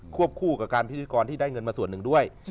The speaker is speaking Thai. วบคู่กับการพิธีกรที่ได้เงินมาส่วนหนึ่งด้วย